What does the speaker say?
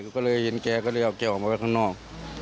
ก็เลยเห็นเจ๊ก็เลยเอาเจ๊ออกมาไปข้างนอก